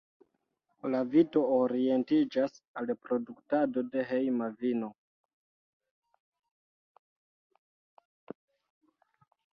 La vito orientiĝas al produktado de hejma vino.